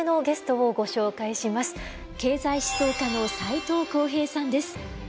経済思想家の斎藤幸平さんです。